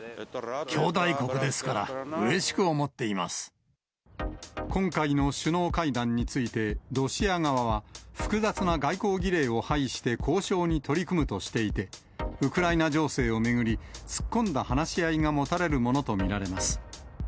兄弟国ですから、うれしく思って今回の首脳会談について、ロシア側は複雑な外交儀礼を廃して、交渉に取り組むとしていて、ウクライナ情勢を巡り、突っ込んだ話し合いが持たれるものと見られます。